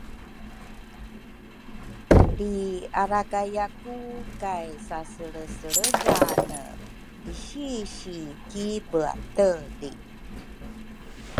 lriarakayaku kay saselreselredane drisisi ki bwateli.